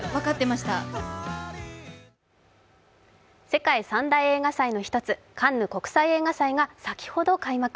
世界三大映画祭の１つ、カンヌ国際映画祭が先ほど開幕。